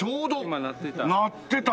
今鳴ってた。